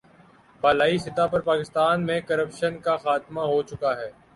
بالائی سطح پر پاکستان میں کرپشن کا خاتمہ ہو چکا ہے۔